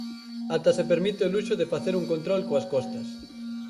Ata se permite o luxo de facer un control coas costas.